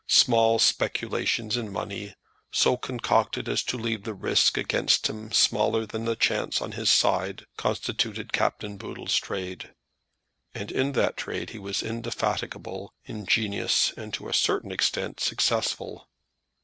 Small speculations in money, so concocted as to leave the risk against him smaller than the chance on his side, constituted Captain Boodle's trade; and in that trade he was indefatigable, ingenious, and, to a certain extent, successful.